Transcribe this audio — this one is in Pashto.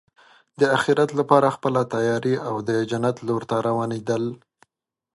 د اخرت لپاره خپله تیاری او د جنت لور ته روانېدل.